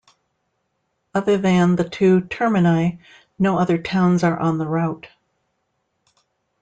Other than the two termini, no other towns are on the route.